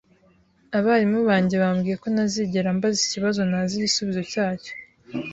abarimu banjye bambwiye ko ntazigera mbaza ikibazo ntazi igisubizo cyacyo.